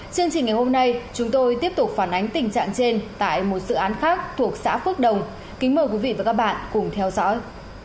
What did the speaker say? chương trình ngày hôm nay chúng tôi tiếp tục phản ánh tình trạng trên tại một dự án khác thuộc xã phước đồng kính mời quý vị và các bạn cùng theo dõi